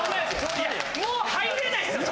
いやもう入れないですよ